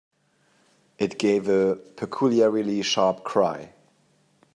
It gave a peculiarly sharp cry.